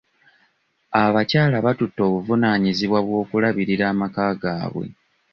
Abakyala batutte obuvunaanyizibwa bw'okulabirira amaka gaabwe.